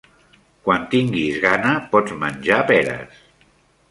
Quan tinguis gana, pots menjar peres.